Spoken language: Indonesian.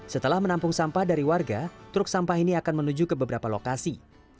setelah menampung sampah dari warga truk sampah ini akan menuju ke beberapa lokasi